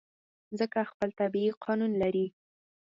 مځکه خپل طبیعي قانون لري.